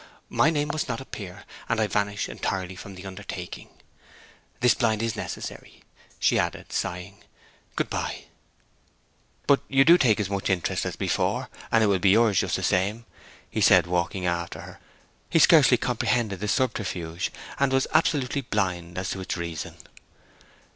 My name must not appear, and I vanish entirely from the undertaking. ... This blind is necessary,' she added, sighing. 'Good bye!' 'But you do take as much interest as before, and it will be yours just the same?' he said, walking after her. He scarcely comprehended the subterfuge, and was absolutely blind as to its reason.